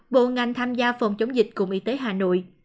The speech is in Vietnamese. bộ ngành tham gia phòng chống dịch cùng y tế hà nội